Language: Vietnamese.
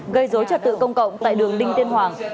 gây dối trật tự công cộng tại đường đinh tiên hoàng